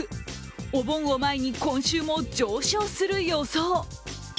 お盆を前に今週も上昇する予想。